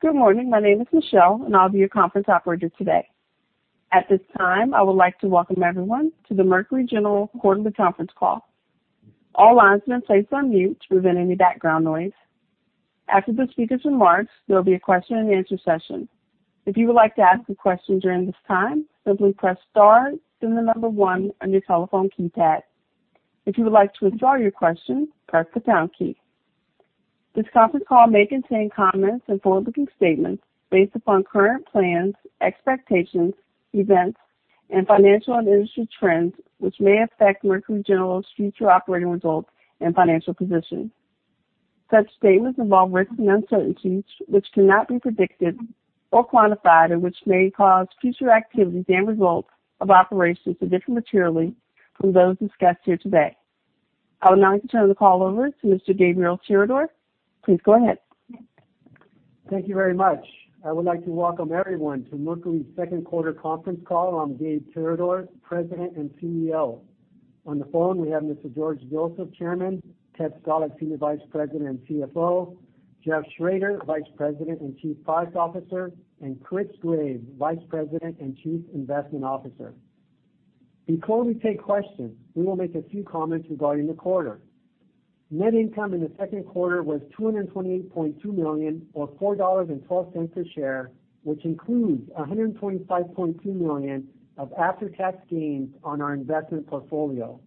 Good morning. My name is Michelle, and I'll be your conference operator today. At this time, I would like to welcome everyone to the Mercury General quarterly conference call. All lines have been placed on mute to prevent any background noise. After the speakers' remarks, there'll be a question and answer session. If you would like to ask a question during this time, simply press star, then the number one on your telephone keypad. If you would like to withdraw your question, press the pound key. This conference call may contain comments and forward-looking statements based upon current plans, expectations, events, and financial and industry trends, which may affect Mercury General's future operating results and financial position. Such statements involve risks and uncertainties which cannot be predicted or quantified and which may cause future activities and results of operations to differ materially from those discussed here today. I would now like to turn the call over to Mr. Gabriel Tirador. Please go ahead. Thank you very much. I would like to welcome everyone to Mercury's second quarter conference call. I'm Gabe Tirador, President and CEO. On the phone, we have Mr. George Joseph, Chairman, Ted Stalick, Senior Vice President and CFO, Jeffrey Schroeder, Vice President and Chief Product Officer, and Christopher Graves, Vice President and Chief Investment Officer. Before we take questions, we will make a few comments regarding the quarter. Net income in the second quarter was $228.2 million or $4.12 cents per share, which includes $125.2 million of after-tax gains on our investment portfolio.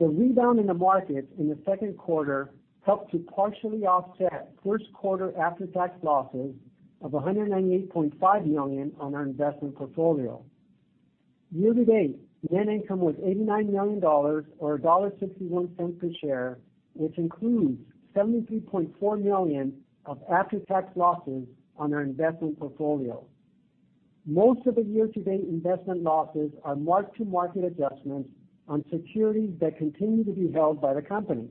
The rebound in the market in the second quarter helped to partially offset first quarter after-tax losses of $198.5 million on our investment portfolio. Year-to-date, net income was $89 million or $1.61 per share, which includes $73.4 million of after-tax losses on our investment portfolio. Most of the year-to-date investment losses are mark-to-market adjustments on securities that continue to be held by the company.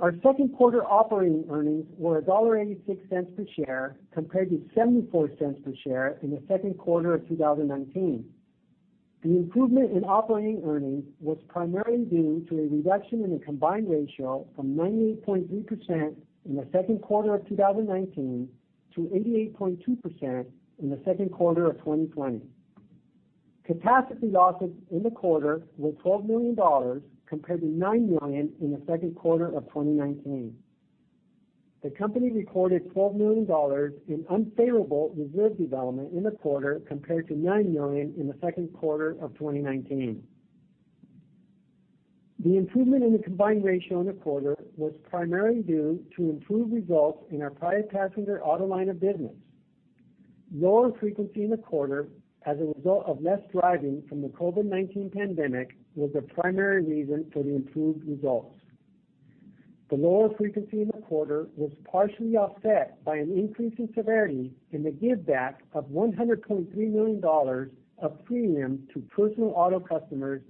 Our second quarter operating earnings were $1.86 per share compared to $0.74 per share in the second quarter of 2019. The improvement in operating earnings was primarily due to a reduction in the combined ratio from 98.3% in the second quarter of 2019 to 88.2% in the second quarter of 2020. Catastrophe losses in the quarter were $12 million compared to $9 million in the second quarter of 2019. The company recorded $12 million in unfavorable reserve development in the quarter compared to $9 million in the second quarter of 2019. The improvement in the combined ratio in the quarter was primarily due to improved results in our private passenger auto line of business. Lower frequency in the quarter as a result of less driving from the COVID-19 pandemic was the primary reason for the improved results. The lower frequency in the quarter was partially offset by an increase in severity and the give back of $123 million of premiums to personal auto customers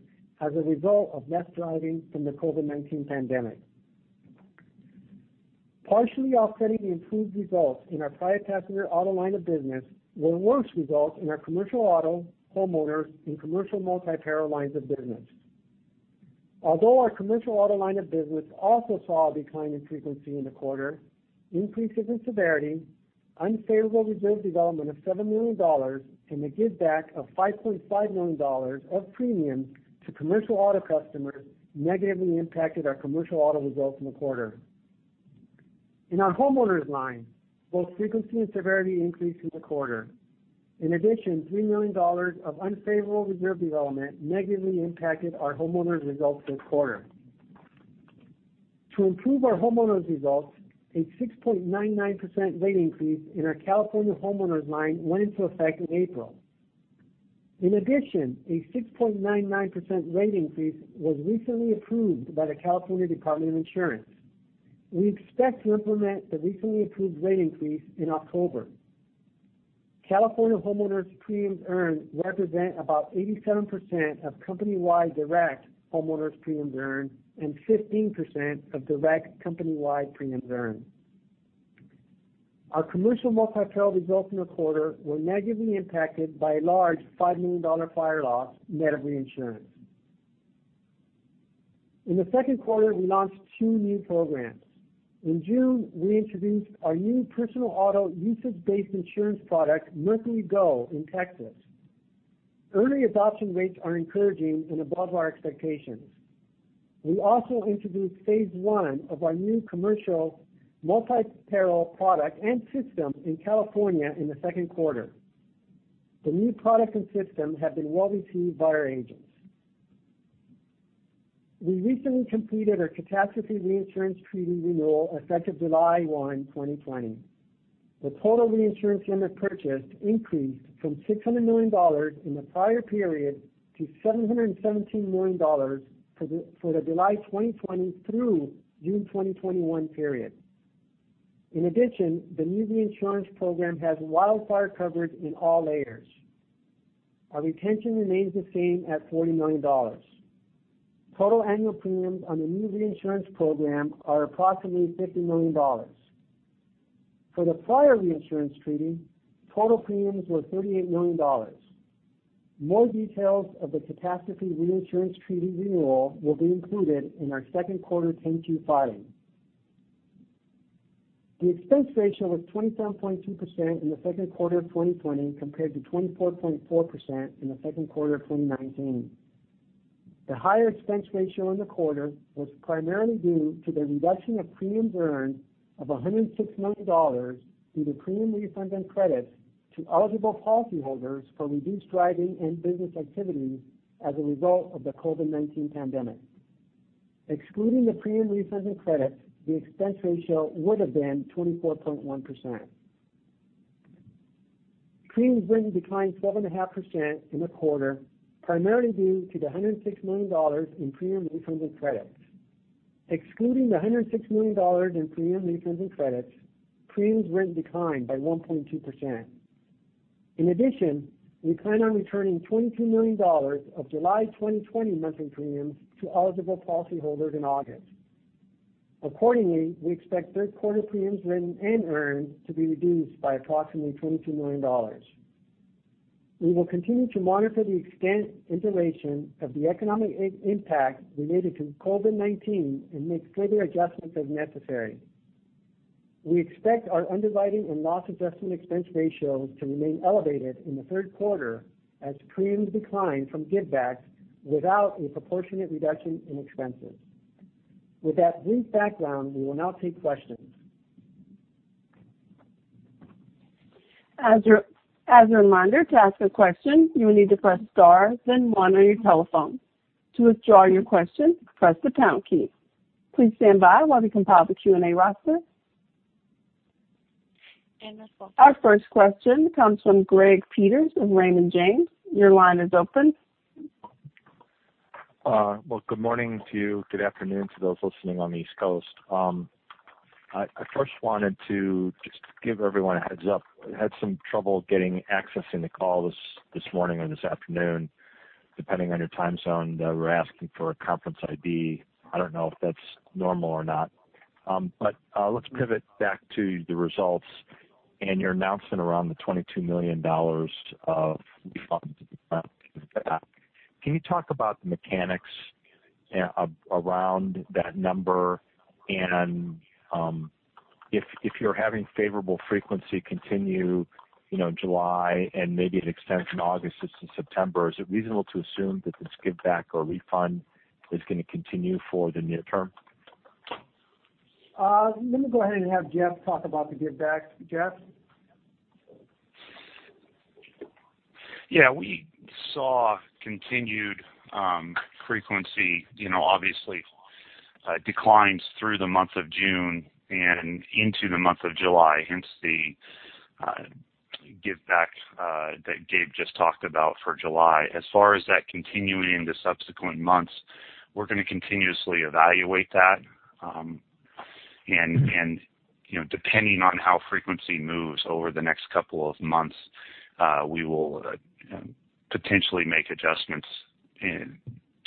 as a result of less driving from the COVID-19 pandemic. Partially offsetting the improved results in our private passenger auto line of business were worse results in our commercial auto, homeowners, and commercial multi-peril lines of business. Although our commercial auto line of business also saw a decline in frequency in the quarter, increases in severity, unfavorable reserve development of $7 million, and a give back of $5.5 million of premiums to commercial auto customers negatively impacted our commercial auto results in the quarter. In our homeowners line, both frequency and severity increased in the quarter. In addition, $3 million of unfavorable reserve development negatively impacted our homeowners results this quarter. To improve our homeowners results, a 6.99% rate increase in our California homeowners line went into effect in April. In addition, a 6.99% rate increase was recently approved by the California Department of Insurance. We expect to implement the recently approved rate increase in October. California homeowners premiums earned represent about 87% of company-wide direct homeowners' premiums earned and 15% of direct company-wide premiums earned. Our commercial multi-peril results in the quarter were negatively impacted by a large $5 million fire loss net of reinsurance. In the second quarter, we launched two new programs. In June, we introduced our new personal auto usage-based insurance product, MercuryGO, in Texas. Early adoption rates are encouraging and above our expectations. We also introduced phase 1 of our new commercial multi-peril product and system in California in the second quarter. The new product and system have been well received by our agents. We recently completed our catastrophe reinsurance treaty renewal effective July 1, 2020. The total reinsurance limit purchased increased from $600 million in the prior period to $717 million for the July 2020 through June 2021 period. In addition, the new reinsurance program has wildfire coverage in all layers. Our retention remains the same at $40 million. Total annual premiums on the new reinsurance program are approximately $50 million. For the prior reinsurance treaty, total premiums were $38 million. More details of the catastrophe reinsurance treaty renewal will be included in our second quarter 10Q filing. The expense ratio was 27.2% in the second quarter of 2020 compared to 24.4% in the second quarter of 2019. The higher expense ratio in the quarter was primarily due to the reduction of premium earned of $106 million due to premium refunds and credits to eligible policyholders for reduced driving and business activity as a result of the COVID-19 pandemic. Excluding the premium refunds and credits, the expense ratio would've been 24.1%. Premiums written declined 7.5% in the quarter, primarily due to the $106 million in premium refunds and credits. Excluding the $106 million in premium refunds and credits, premiums written declined by 1.2%. In addition, we plan on returning $22 million of July 2020 monthly premiums to eligible policyholders in August. Accordingly, we expect third quarter premiums written and earned to be reduced by approximately $22 million. We will continue to monitor the extent and duration of the economic impact related to COVID-19 and make further adjustments as necessary. We expect our underwriting and loss adjustment expense ratios to remain elevated in the third quarter as premiums decline from givebacks without a proportionate reduction in expenses. With that brief background, we will now take questions. As a reminder, to ask a question, you will need to press star then one on your telephone. To withdraw your question, press the pound key. Please stand by while we compile the Q&A roster. Operator. Our first question comes from Greg Peters of Raymond James. Your line is open. Well, good morning to you. Good afternoon to those listening on the East Coast. I first wanted to just give everyone a heads up. I had some trouble getting access in the call this morning or this afternoon, depending on your time zone. They were asking for a conference ID. I don't know if that's normal or not. Let's pivot back to the results and your announcement around the $22 million of refunds. Can you talk about the mechanics around that number? And if you're having favorable frequency continue July and maybe it extends in August, September, is it reasonable to assume that this giveback or refund is going to continue for the near term? Let me go ahead and have Jeff talk about the giveback. Jeff? Yeah, we saw continued frequency, obviously declines through the month of June and into the month of July, hence the giveback that Gabe just talked about for July. As far as that continuing into subsequent months, we're going to continuously evaluate that. Depending on how frequency moves over the next couple of months, we will potentially make adjustments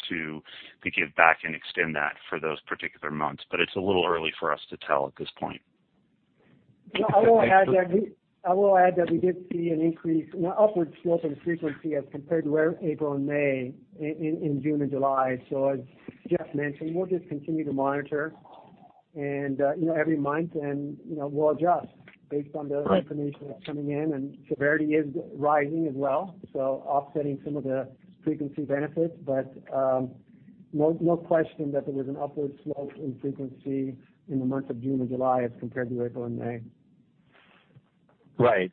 to give back and extend that for those particular months. It's a little early for us to tell at this point. Okay, thanks, Jeff. I will add that we did see an increase in the upward slope in frequency as compared to April and May, in June and July. As Jeff mentioned, we'll just continue to monitor every month, and we'll adjust based on the information. Right that's coming in, and severity is rising as well, so offsetting some of the frequency benefits. No question that there was an upward slope in frequency in the months of June and July as compared to April and May. Right.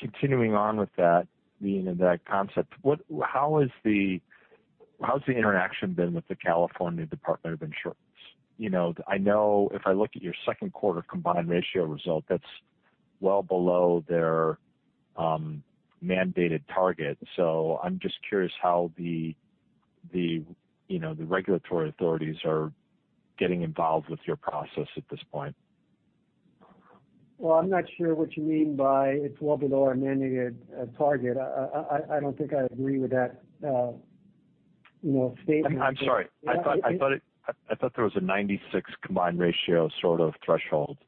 Continuing on with that concept, how's the interaction been with the California Department of Insurance? I know if I look at your second quarter combined ratio result, that's well below their mandated target. I'm just curious how the regulatory authorities are getting involved with your process at this point. Well, I'm not sure what you mean by it's well below our mandated target. I don't think I agree with that statement. I'm sorry. I thought there was a 96 combined ratio sort of threshold. Maybe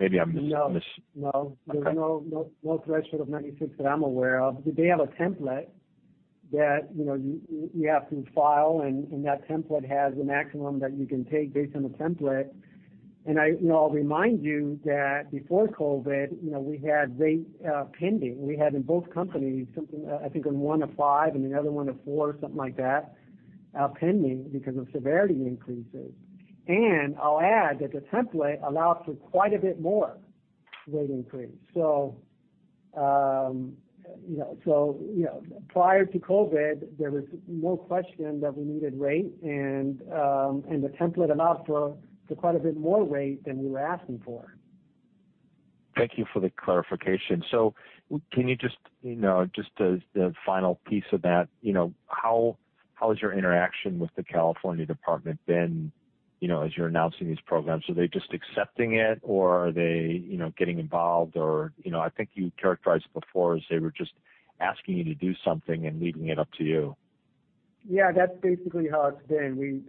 I'm mis- No. Okay. There's no threshold of 96 that I'm aware of. They have a template that you have to file, and that template has a maximum that you can take based on the template. I'll remind you that before COVID, we had rate pending. We had in both companies something, I think in one a five and the other one a four, something like that, pending because of severity increases. I'll add that the template allows for quite a bit more rate increase. Prior to COVID, there was no question that we needed rate, and the template allowed for quite a bit more rate than we were asking for. Thank you for the clarification. Can you just as the final piece of that, how has your interaction with the California Department been as you're announcing these programs? Are they just accepting it, or are they getting involved? I think you characterized it before as they were just asking you to do something and leaving it up to you? Yeah, that's basically how it's been.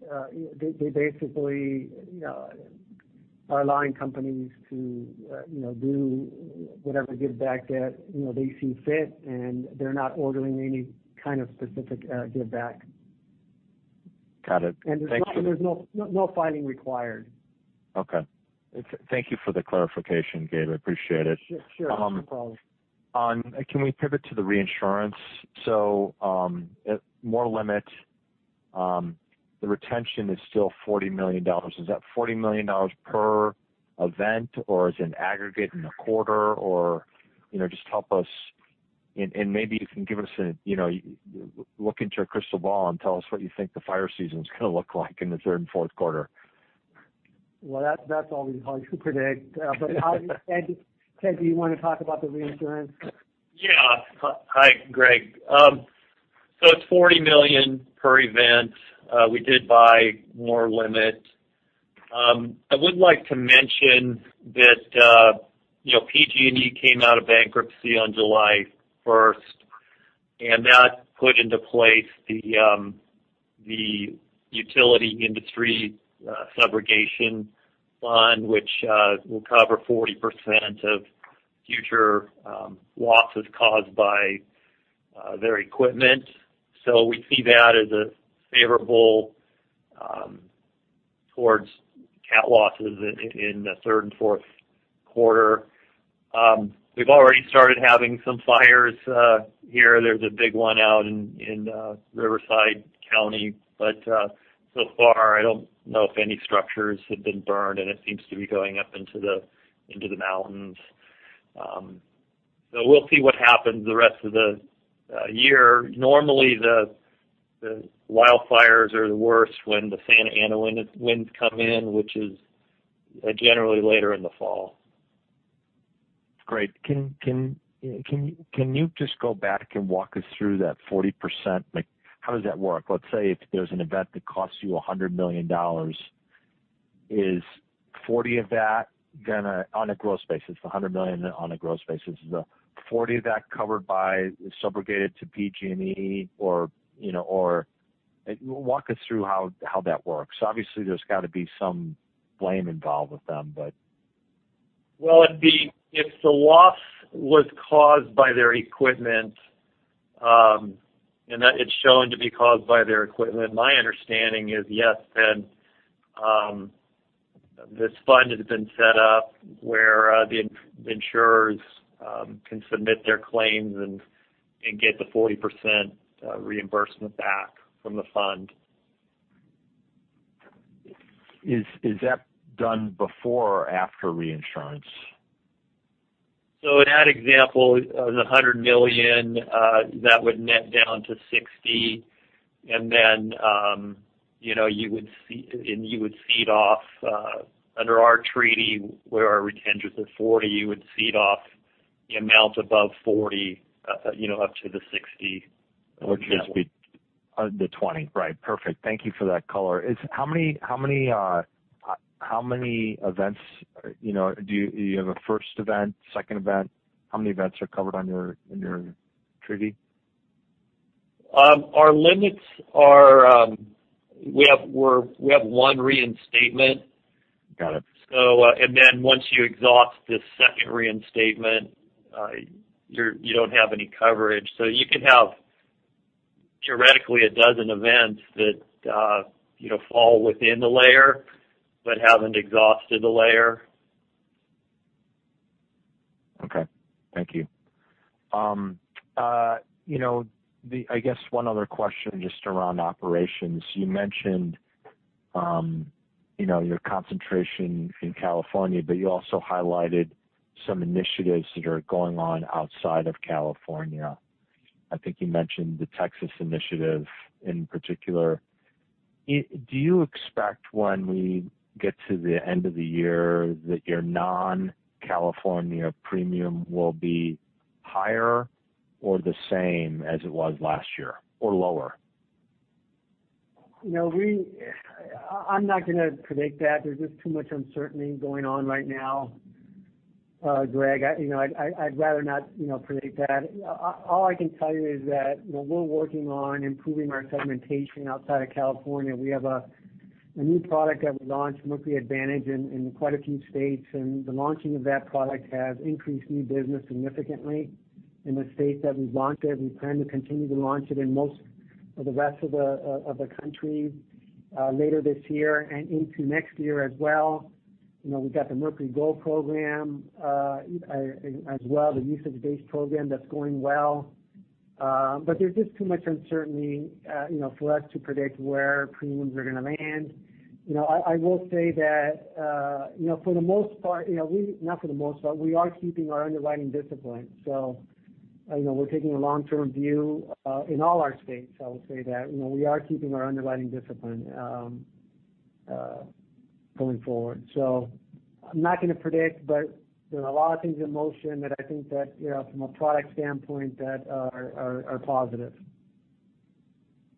They basically are allowing companies to do whatever giveback that they see fit, and they're not ordering any kind of specific giveback. Got it. Thank you. There's no filing required. Okay. Thank you for the clarification, Gabe. I appreciate it. Sure. No problem. Can we pivot to the reinsurance? More limit, the retention is still $40 million. Is that $40 million per event, or is it an aggregate in the quarter? Just help us, and maybe you can look into a crystal ball and tell us what you think the fire season's going to look like in the third and fourth quarter. That's always hard to predict. Ted, do you want to talk about the reinsurance? Hi, Greg. It's $40 million per event. We did buy more limit. I would like to mention that PG&E came out of bankruptcy on July 1st, and that put into place the utility industry subrogation fund, which will cover 40% of future losses caused by their equipment. We see that as a favorable towards cat losses in the third and fourth quarter. We've already started having some fires here. There's a big one out in Riverside County, so far, I don't know if any structures have been burned, and it seems to be going up into the mountains. We'll see what happens the rest of the year. Normally, the wildfires are the worst when the Santa Ana winds come in, which is generally later in the fall. Can you just go back and walk us through that 40%? How does that work? Let's say if there's an event that costs you $100 million, is 40 of that going to on a gross basis, the $100 million on a gross basis, is the 40 of that covered by, subrogated to PG&E or walk us through how that works. If the loss was caused by their equipment, and it's shown to be caused by their equipment, my understanding is yes, Ted, this fund has been set up where the insurers can submit their claims and get the 40% reimbursement back from the fund. Is that done before or after reinsurance? In that example of the $100 million, that would net down to $60, and then you would cede off under our treaty where our retention's at $40, you would cede off the amount above $40 up to the $60. Which would be the $20. Right. Perfect. Thank you for that color. How many events, do you have a first event, second event? How many events are covered in your treaty? Our limits are, we have one reinstatement. Got it. Once you exhaust the second reinstatement, you don't have any coverage. You could have, theoretically, a dozen events that fall within the layer but haven't exhausted the layer. Okay. Thank you. I guess one other question, just around operations. You mentioned your concentration in California, but you also highlighted some initiatives that are going on outside of California. I think you mentioned the Texas initiative in particular. Do you expect when we get to the end of the year that your non-California premium will be higher or the same as it was last year, or lower? I'm not going to predict that. There's just too much uncertainty going on right now, Greg. I'd rather not predict that. All I can tell you is that we're working on improving our segmentation outside of California. We have a new product that we launched, Mercury Advantage, in quite a few states, and the launching of that product has increased new business significantly in the states that we launched it. We plan to continue to launch it in most of the rest of the country later this year and into next year as well. We've got the MercuryGO program as well, the usage-based program that's going well. There's just too much uncertainty for us to predict where premiums are going to land. I will say that for the most part, not for the most part, we are keeping our underwriting discipline. We're taking a long-term view in all our states, I will say that. We are keeping our underwriting discipline going forward. I'm not going to predict, but there are a lot of things in motion that I think that from a product standpoint, that are positive.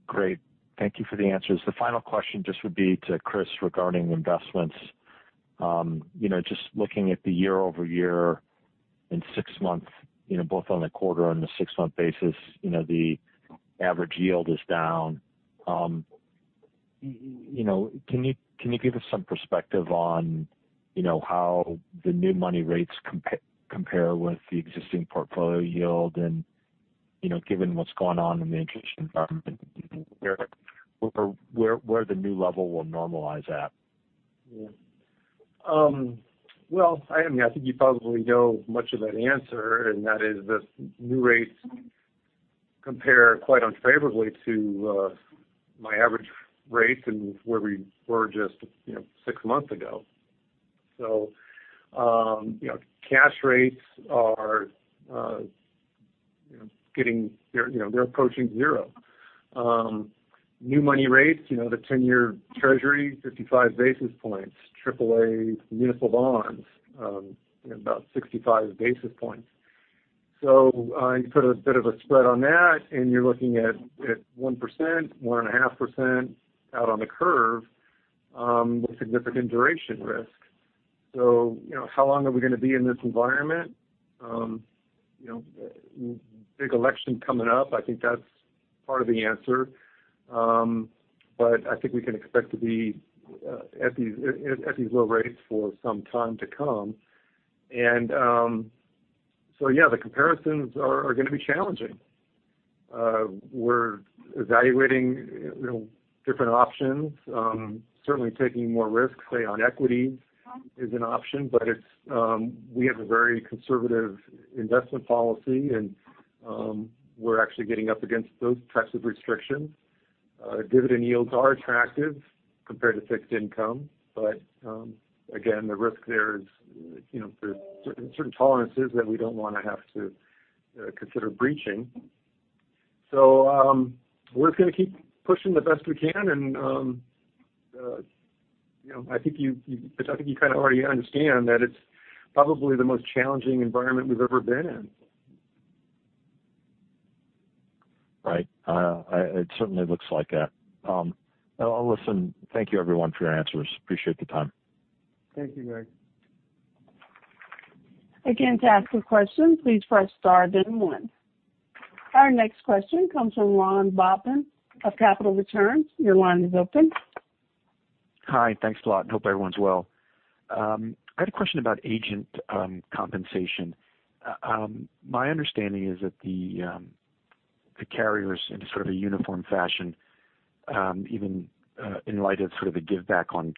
Great. Thank you for the answers. The final question just would be to Chris regarding investments. Just looking at the year-over-year in 6 months, both on the quarter on the 6-month basis, the average yield is down. Can you give us some perspective on how the new money rates compare with the existing portfolio yield and, given what's going on in the interest rate environment, where the new level will normalize at? I think you probably know much of that answer, and that is that new rates compare quite unfavorably to my average rates and where we were just 6 months ago. Cash rates, they're approaching zero. New money rates, the 10-year Treasury, 55 basis points, Triple-A municipal bonds about 65 basis points. You put a bit of a spread on that and you're looking at 1%, 1.5% out on the curve with significant duration risk. How long are we going to be in this environment? Big election coming up. I think that's part of the answer. I think we can expect to be at these low rates for some time to come. Yeah, the comparisons are going to be challenging. We're evaluating different options. Certainly taking more risks, say, on equities is an option, we have a very conservative investment policy, and we're actually getting up against those types of restrictions. Dividend yields are attractive compared to fixed income. Again, the risk there is there's certain tolerances that we don't want to have to consider breaching. We're going to keep pushing the best we can, and I think you kind of already understand that it's probably the most challenging environment we've ever been in. Right. It certainly looks like that. Listen, thank you everyone for your answers. Appreciate the time. Thank you, Greg. To ask a question, please press star then one. Our next question comes from Ron Bobman of Capital Returns. Your line is open. Hi, thanks a lot. Hope everyone's well. I had a question about agent compensation. My understanding is that the carriers in a sort of a uniform fashion, even in light of sort of a giveback on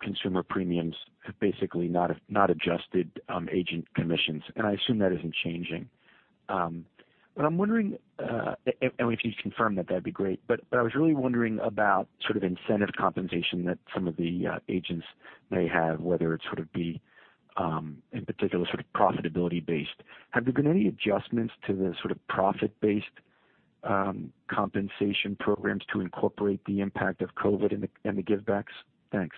consumer premiums, have basically not adjusted agent commissions, and I assume that isn't changing. I'm wondering, and if you'd confirm that'd be great, but I was really wondering about incentive compensation that some of the agents may have, whether it sort of be in particular profitability based. Have there been any adjustments to the sort of profit-based compensation programs to incorporate the impact of COVID-19 and the givebacks? Thanks.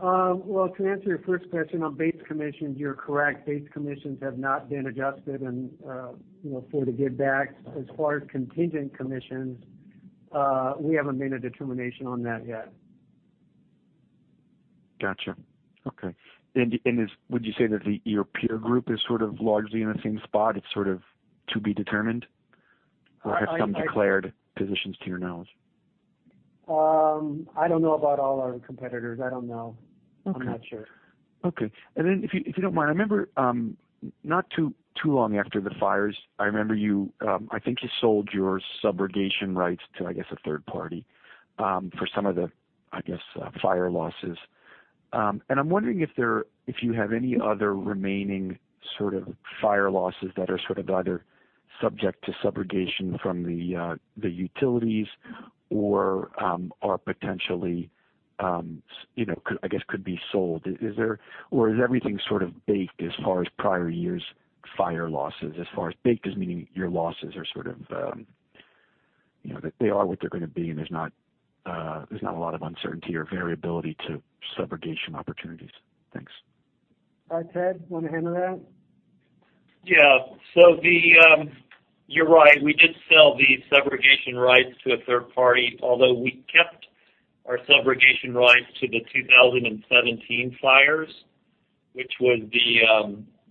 Well, to answer your first question on base commissions, you're correct. Base commissions have not been adjusted for the givebacks. As far as contingent commissions, we haven't made a determination on that yet. Got you. Okay. Would you say that your peer group is sort of largely in the same spot? It's sort of to be determined? Have some declared positions to your knowledge? I don't know about all our competitors. I don't know. Okay. I'm not sure. Okay. If you don't mind, I remember not too long after the fires, I think you sold your subrogation rights to, I guess, a third party for some of the, I guess, fire losses. I'm wondering if you have any other remaining sort of fire losses that are sort of either subject to subrogation from the utilities or potentially, I guess, could be sold. Is everything sort of baked as far as prior years' fire losses as far as baked, meaning your losses are sort of what they're going to be and there's not a lot of uncertainty or variability to subrogation opportunities? Thanks. Hi, Ted. Want to handle that? Yeah. You're right. We did sell the subrogation rights to a third party, although we kept our subrogation rights to the 2017 fires, which was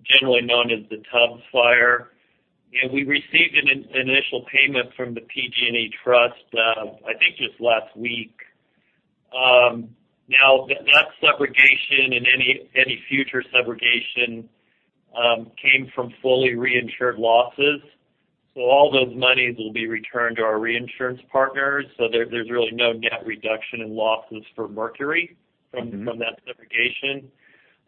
generally known as the Tubbs Fire. We received an initial payment from the PG&E trust, I think just last week. That subrogation and any future subrogation came from fully reinsured losses. All those monies will be returned to our reinsurance partners, so there's really no net reduction in losses for Mercury from that subrogation.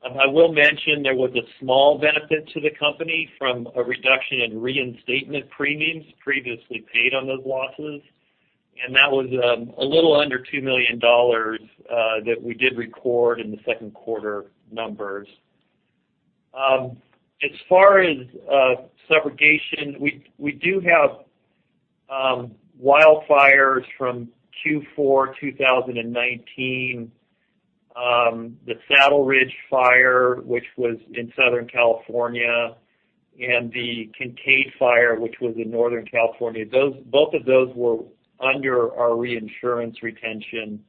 I will mention there was a small benefit to the company from a reduction in reinstatement premiums previously paid on those losses, and that was a little under $2 million that we did record in the second quarter numbers. As far as subrogation, we do have wildfires from Q4 2019. The Saddle Ridge Fire, which was in Southern California, and the Kincade Fire, which was in Northern California, both of those were under our reinsurance retention.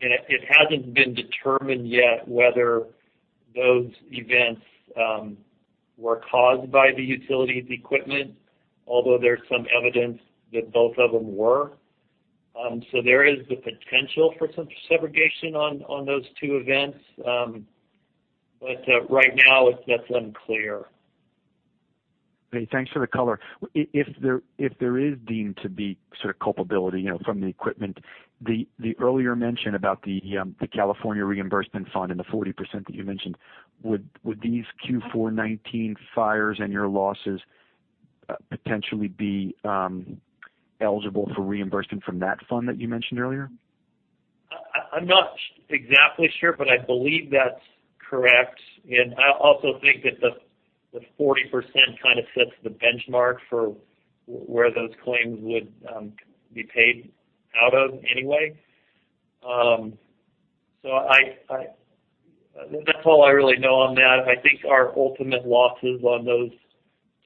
It hasn't been determined yet whether those events were caused by the utility's equipment, although there's some evidence that both of them were. There is the potential for some subrogation on those two events. Right now, that's unclear. Great. Thanks for the color. If there is deemed to be culpability from the equipment, the earlier mention about the California reimbursement fund and the 40% that you mentioned, would these Q4 2019 fires and your losses potentially be eligible for reimbursement from that fund that you mentioned earlier? I'm not exactly sure, but I believe that's correct. I also think that the 40% kind of sets the benchmark for where those claims would be paid out of anyway. That's all I really know on that. I think our ultimate losses on those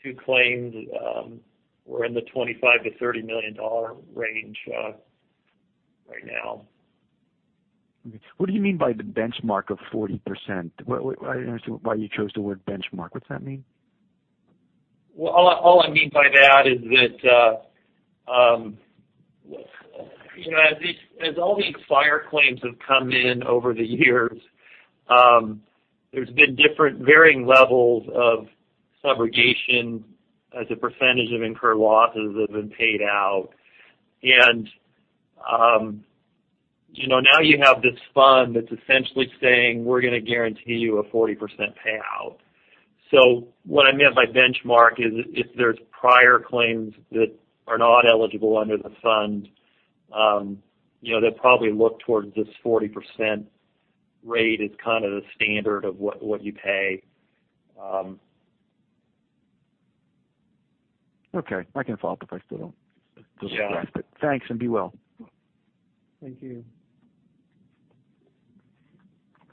two claims were in the $25 million-$30 million range right now. What do you mean by the benchmark of 40%? I didn't understand why you chose the word benchmark. What's that mean? Well, all I mean by that is that as all these fire claims have come in over the years, there's been different varying levels of subrogation as a percentage of incurred losses have been paid out. Now you have this fund that's essentially saying, we're going to guarantee you a 40% payout. What I meant by benchmark is if there's prior claims that are not eligible under the fund, they'll probably look towards this 40% rate as kind of the standard of what you pay. Okay. I can follow up if I still don't. Yeah Completely grasp it. Thanks, and be well. Thank you.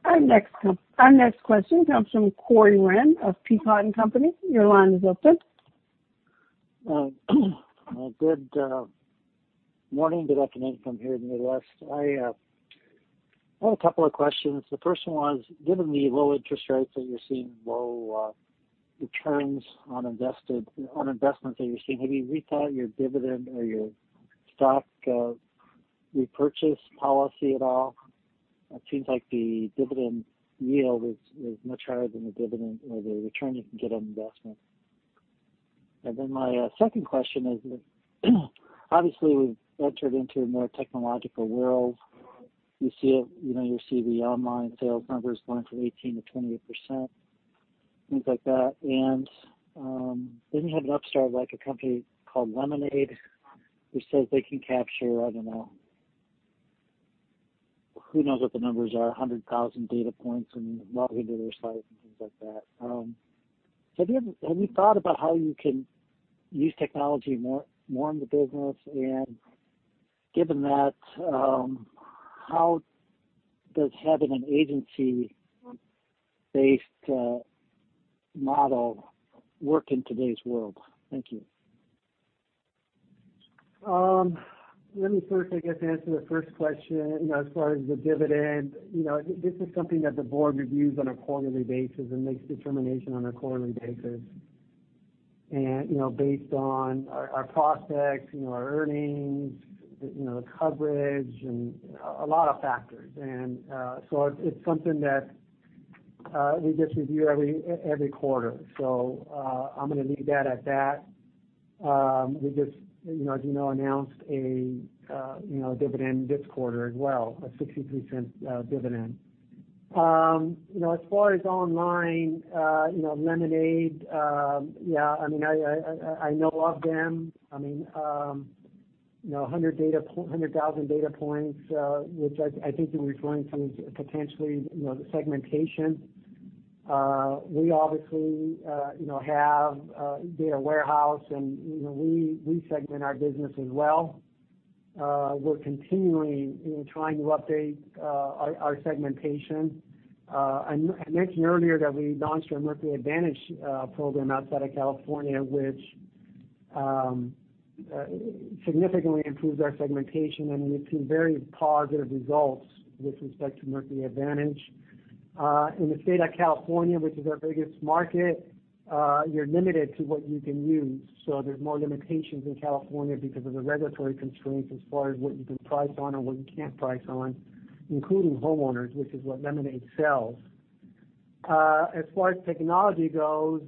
Our next question comes from Corey Wren of Peapack-Gladstone Financial Corporation. Your line is open. Good morning. Good afternoon from here in the Midwest. I have a couple of questions. The first one is, given the low interest rates that you're seeing, low returns on investments that you're seeing, have you rethought your dividend or your stock repurchase policy at all? It seems like the dividend yield is much higher than the dividend or the return you can get on investment. My second question is that obviously we've entered into a more technological world. You see the online sales numbers going from 18% to 28%, things like that. You have an upstart, like a company called Lemonade, who says they can capture, I don't know, who knows what the numbers are, 100,000 data points when you log into their site and things like that. Have you thought about how you can use technology more in the business, and given that, how does having an agency-based model work in today's world? Thank you. Let me first, I guess, answer the first question. As far as the dividend, this is something that the board reviews on a quarterly basis and makes determination on a quarterly basis. Based on our prospects, our earnings, the coverage, and a lot of factors. It's something that we just review every quarter. I'm going to leave that at that. We just, as you know, announced a dividend this quarter as well, a $0.63 dividend. As far as online, Lemonade, yeah, I know of them. 100,000 data points, which I think you're referring to, is potentially the segmentation. We obviously have data warehouse, and we segment our business as well. We're continually trying to update our segmentation. I mentioned earlier that we launched our Mercury Advantage program outside of California, which significantly improves our segmentation, and we've seen very positive results with respect to Mercury Advantage. In the state of California, which is our biggest market, you're limited to what you can use, so there's more limitations in California because of the regulatory constraints as far as what you can price on and what you can't price on, including homeowners, which is what Lemonade sells. As far as technology goes,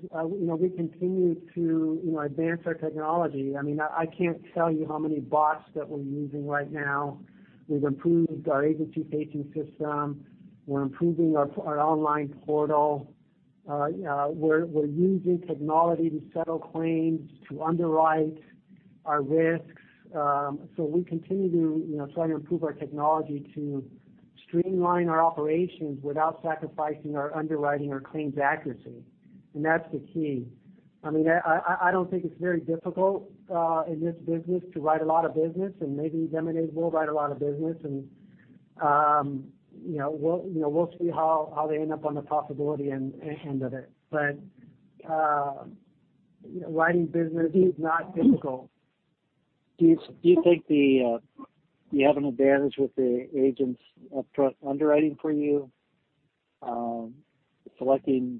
we continue to advance our technology. I can't tell you how many bots that we're using right now. We've improved our agency facing system. We're improving our online portal. We're using technology to settle claims, to underwrite our risks. We continue to try to improve our technology to streamline our operations without sacrificing our underwriting or claims accuracy, and that's the key. I don't think it's very difficult in this business to write a lot of business, maybe Lemonade will write a lot of business, and we'll see how they end up on the profitability end of it. Writing business is not difficult. Do you think you have an advantage with the agents up-front underwriting for you, selecting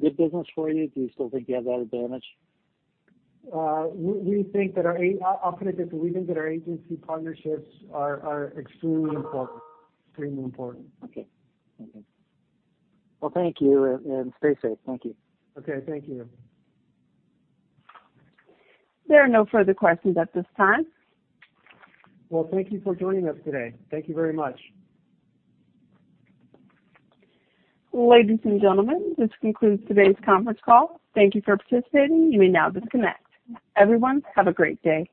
good business for you? Do you still think you have that advantage? I'll put it this way, we think that our agency partnerships are extremely important. Extremely important. Okay. Thank you. Well, thank you, stay safe. Thank you. Okay, thank you. There are no further questions at this time. Well, thank you for joining us today. Thank you very much. Ladies and gentlemen, this concludes today's conference call. Thank you for participating. You may now disconnect. Everyone, have a great day.